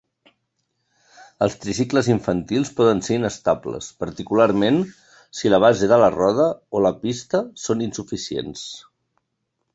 Els tricicles infantils poden ser inestables, particularment si la base de la roda o la pista són insuficients.